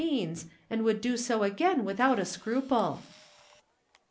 173 means, and would do so again without a scru ple."